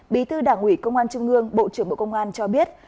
bí thư đảng ủy công an trung ương bộ trưởng bộ công an cho biết